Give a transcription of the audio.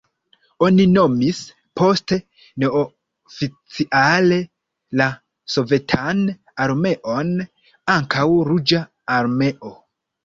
Oni nomis poste neoficiale la Sovetan Armeon ankaŭ Ruĝa Armeo.